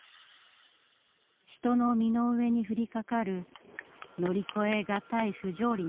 人の身の上に降りかかる乗り越え難い不条理な出来事。